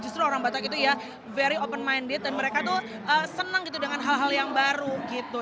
justru orang batak itu ya very open minded dan mereka tuh seneng gitu dengan hal hal yang baru gitu